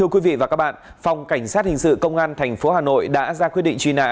quý vị và các bạn phòng cảnh sát hình sự công an tp hà nội đã ra quyết định truy nã